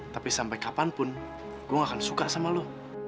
tapi sampai kapanpun gue akan suka sama lo